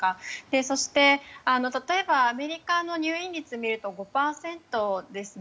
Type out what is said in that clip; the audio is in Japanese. そして、例えばアメリカの入院率を見ると５％ですね。